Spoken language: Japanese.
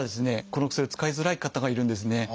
このお薬を使いづらい方がいるんですね。